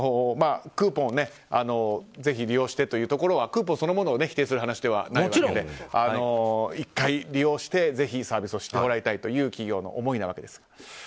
クーポンをぜひ利用してというところはクーポンそのものを否定する話ではないわけで１回利用してぜひサービスを知ってもらいたいという企業の思いなわけです。